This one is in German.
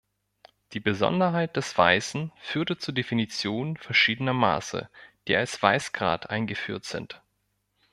Die Besonderheit des Weißen führte zur Definition verschiedener Maße, die als Weißgrad eingeführt sind.